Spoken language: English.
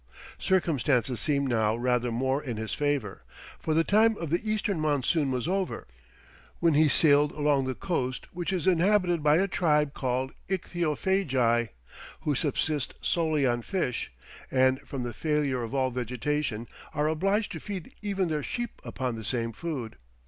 Circumstances seemed now rather more in his favour; for the time of the eastern monsoon was over, when he sailed along the coast which is inhabited by a tribe called Ichthyophagi, who subsist solely on fish, and from the failure of all vegetation are obliged to feed even their sheep upon the same food.